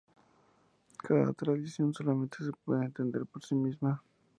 Cada tradición solamente se puede entender por sí misma.